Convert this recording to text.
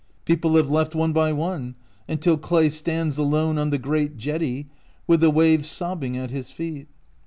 People have left one by one, until Clay stands alone on the great jetty, with the waves sobbing at his feet.